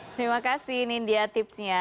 terima kasih nindya tipsnya